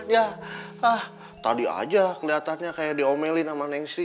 ya ah tadi aja kelihatannya kayak diomelin sama neng sri